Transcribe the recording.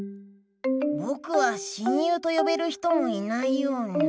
ぼくは親友とよべる人もいないような。